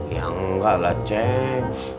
ya nggak lah ceng